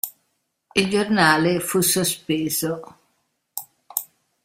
Il giornale fu sospeso.